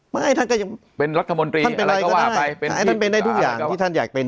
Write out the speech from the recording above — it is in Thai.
ไม่ท่านก็ยังท่านเป็นอะไรก็ได้ท่านเป็นในทุกอย่างที่ท่านอยากเป็น